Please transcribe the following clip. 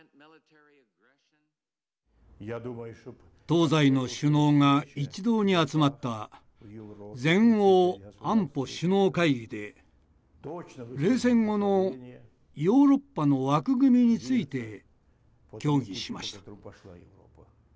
東西の首脳が一堂に集まった全欧安保首脳会議で冷戦後のヨーロッパの枠組みについて協議しました。